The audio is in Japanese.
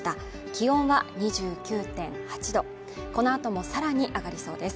気温は２９．８度このあともさらに上がりそうです